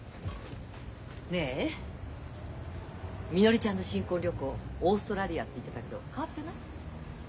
ねえみのりちゃんの新婚旅行オーストラリアって言ってたけど変わってない？